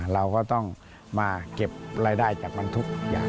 เราก็ต้องมาเก็บรายได้จากมันทุกอย่าง